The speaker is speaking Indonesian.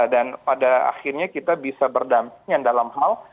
dan pada akhirnya kita bisa berdampingan dalam hal